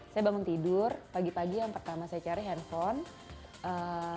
saya bangun tidur pagi pagi yang pertama saya cari handphone